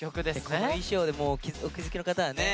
この衣装でもうお気付きの方はね。